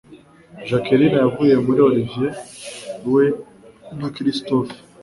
Jacqueline yavuye muri Olivier, we na Christophe